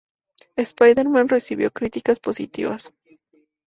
Spider-Man recibió críticas positivas.